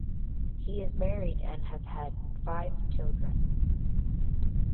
He is married and has had five children.